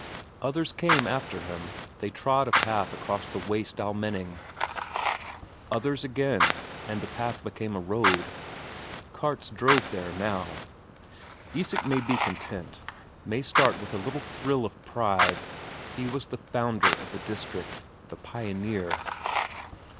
Others came after him, they trod a path across the waste Almenning; others again, and the path became a road; carts drove there now. Isak may be content, may start with a little thrill of pride; he was the founder of a district, the pioneer.